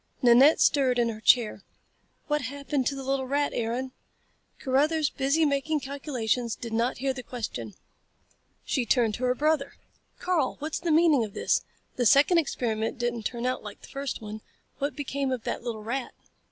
Nanette stirred in her chair. "What happened to the little rat, Aaron?" Carruthers, busy making calculations, did not hear the question. She turned to her brother. "Karl, what's the meaning of this? The second experiment didn't turn out like the first one. What became of that little rat?"